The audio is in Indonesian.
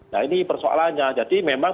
nah ini persoalannya jadi memang